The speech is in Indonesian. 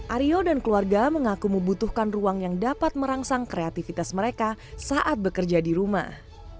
aryo dan keluarga mengaku membutuhkan ruang yang dapat merangsang kreativitas mereka saat bekerja di rumah